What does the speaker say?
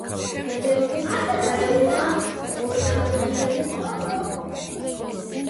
ნაგებობის გადახურვა ორქანობიანი ყოფილა.